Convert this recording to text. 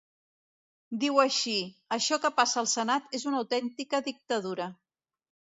Diu així: Això que passa al senat és una autèntica dictadura.